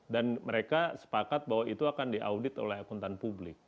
dan mereka sepakat bahwa itu akan diaudit oleh akuntan publik